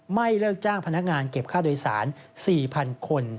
เลิกจ้างพนักงานเก็บค่าโดยสาร๔๐๐๐คน